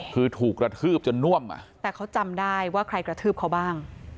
คือถูกกระทืบจนน่วมอ่ะแต่เขาจำได้ว่าใครกระทืบเขาบ้าง